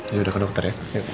ya udah ke dokter ya